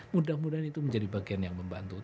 mudah mudahan itu menjadi bagian yang membantu